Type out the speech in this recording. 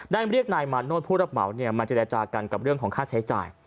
เรียกนายมาโนธผู้รับเหมามาเจรจากันกับเรื่องของค่าใช้จ่าย